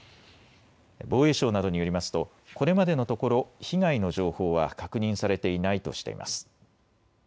防衛省などによりますと、これまでのところ、被害の情報は確認されていないとしています。